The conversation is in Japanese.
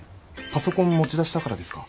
パソコン持ち出したからですか？